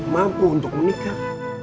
mampu untuk menikah